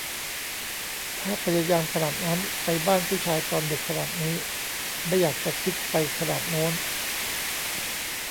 ถ้าพยายามขนาดนั้น ไปบ้านผู้ชายตอนดึกขนาดนี้ ไม่อยากจะคิดไปขนาดโน้น